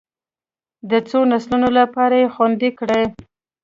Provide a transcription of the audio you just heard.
د څو نسلونو لپاره یې خوندي کړي.